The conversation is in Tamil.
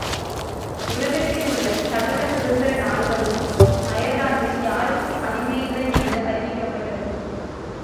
உலகத்திலுள்ள சகல சுதந்திர நாடுகளுக்கும் அயர்லாந்து யாருக்கும் அடிமையில்லை என்று அறிவிக்கப்பட்டது.